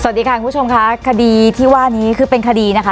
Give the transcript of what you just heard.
สวัสดีค่ะคุณผู้ชมค่ะคดีที่ว่านี้คือเป็นคดีนะคะ